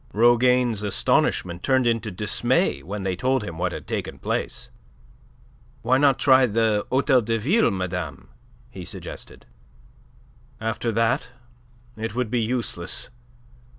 Rougane's astonishment turned into dismay when they told him what had taken place. "Why not try the Hotel de Ville, madame?" he suggested. "After that? It would be useless.